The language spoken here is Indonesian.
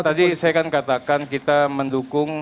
tadi saya kan katakan kita mendukung